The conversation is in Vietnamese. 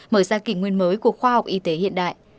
mở ra kỷ nguyên mới của khoa học y tế hiện đại